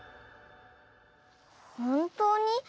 ほんとうに？